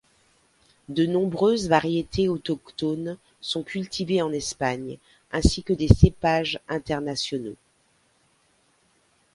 De nombreuses variétés autochtones sont cultivées en Espagne, ainsi que des cépages internationaux.